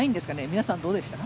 皆さんどうでした？